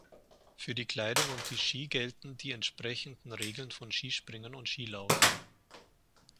Für die Kleidung und die Skier gelten die entsprechenden Regeln vom Skispringen und Skilaufen.